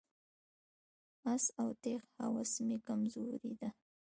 آس او تیغ هوس مې کمزوري ده.